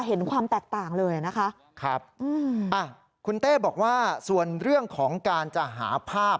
เห็นความแตกต่างเลยนะคะครับอืมอ่ะคุณเต้บอกว่าส่วนเรื่องของการจะหาภาพ